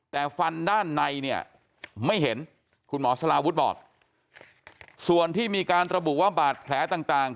แต่ฟันด้านในเนี่ยไม่เห็นคุณหมอสลาวุฒิบอกส่วนที่มีการระบุว่าบาดแผลต่าง